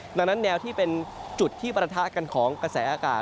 ดังนั้นแนวที่เป็นจุดที่ประทะกันของกระแสอากาศ